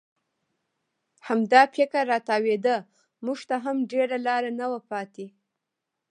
همدا فکر را تاوېده، موږ ته هم ډېره لاره نه وه پاتې.